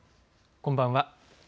こんばんは。